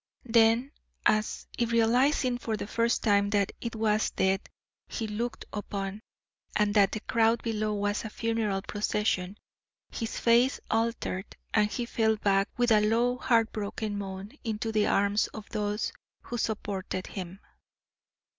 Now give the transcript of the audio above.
Then, as if realising for the first time that it was death he looked upon, and that the crowd below was a funeral procession, his face altered and he fell back with a low heartbroken moan into the arms of those who supported him.